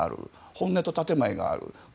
本音と建前がある。